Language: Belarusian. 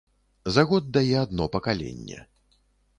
За год дае адно пакаленне.